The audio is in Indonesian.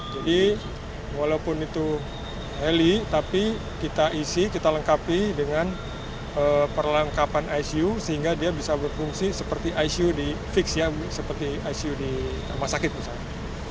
jadi walaupun itu heli tapi kita isi kita lengkapi dengan perlengkapan icu sehingga dia bisa berfungsi seperti icu di fix ya seperti icu di rumah sakit misalnya